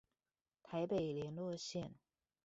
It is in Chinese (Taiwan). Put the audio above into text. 台北聯絡線